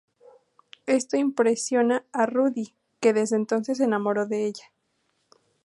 Esto impresiona a Rudy, que desde entonces se enamora de ella.